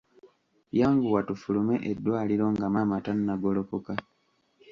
Yanguwa tufulume eddwaliro nga maama tannagolokoka.